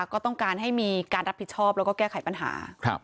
ก็ต้องการให้มีการรับผิดชอบแล้วก็แก้ไขปัญหา